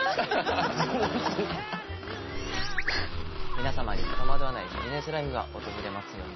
皆様に戸惑わないビジネスライフが訪れますように。